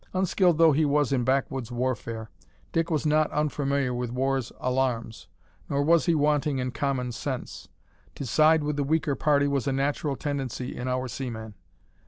Unskilled though he was in backwoods warfare, Dick was not unfamiliar with war's alarms, nor was he wanting in common sense. To side with the weaker party was a natural tendency in our seaman.